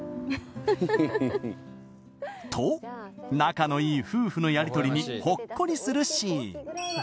と仲のいい夫婦のやりとりにほっこりするシーン